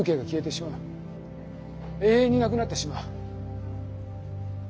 永遠になくなってしまう。